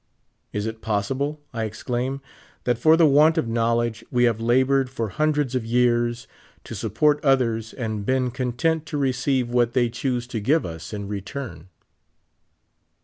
Is it possible, I exclaim, that for the want of knowledge we have labored for hun dreds of 3'ears to support others, and been content to receive what they chose to give us in return